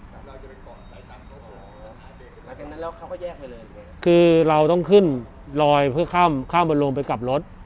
หลังจากนั้นเขาก็แยกไปเลยคือเราต้องขึ้นรอยเพื่อข้ามบริษัทลงไปกลับรถ